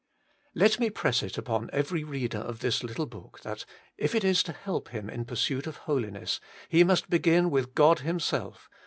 7. Let me press it upon every reader of this little book, that if it is to help him in the pursuit of Holiness, he must begin with God Himself.